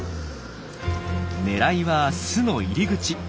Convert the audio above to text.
狙いは巣の入り口。